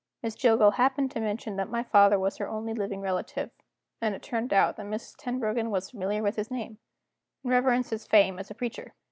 Miss Jillgall happened to mention that my father was her only living relative; and it turned out that Mrs. Tenbruggen was familiar with his name, and reverenced his fame as a preacher.